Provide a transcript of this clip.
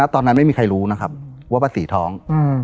ตอนนั้นไม่มีใครรู้นะครับว่าป้าศรีท้อง